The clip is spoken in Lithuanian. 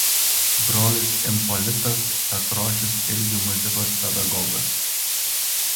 Brolis Ipolitas Petrošius irgi muzikos pedagogas.